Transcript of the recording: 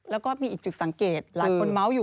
แล้วก็มีอีกจุดสังเกตหลายคนเมาส์อยู่